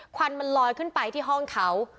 ควันมันลอยขึ้นไปที่ห้องเขา